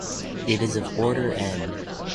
It is of order "n".